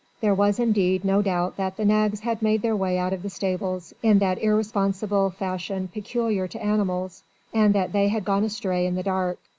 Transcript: There was indeed no doubt that the nags had made their way out of the stables, in that irresponsible fashion peculiar to animals, and that they had gone astray in the dark.